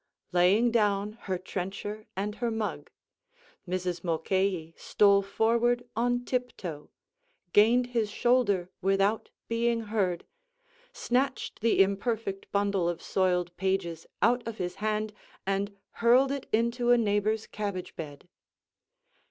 Laying down her trencher and her mug, Mrs. Mulcahy stole forward on tiptoe, gained his shoulder without being heard, snatched the imperfect bundle of soiled pages out of his hand, and hurled it into a neighbor's cabbage bed.